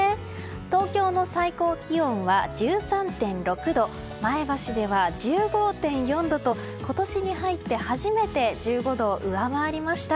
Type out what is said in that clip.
東京の最高気温は１３．６度前橋では１５．４度と今年に入って初めて１５度を上回りました。